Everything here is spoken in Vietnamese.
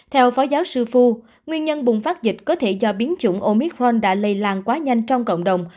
theo phó giáo sư phu nguyên nhân bùng phát dịch có thể do biến chủng omicron đã lây lan quá nhanh trong cộng đồng